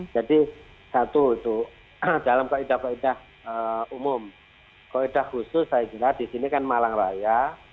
jadi satu dalam keadaan keadaan umum keadaan khusus saya jelaskan disini kan malang raya